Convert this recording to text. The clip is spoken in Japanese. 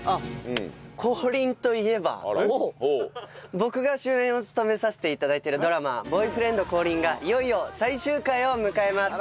僕が主演を務めさせて頂いているドラマ『ボーイフレンド降臨！』がいよいよ最終回を迎えます！